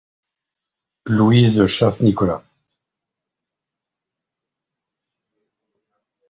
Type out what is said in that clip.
Louise chasse Nicolas.